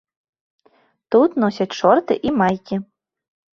Тут носяць шорты і майкі.